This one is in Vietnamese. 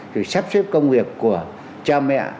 rồi sắp xếp công việc của cha mẹ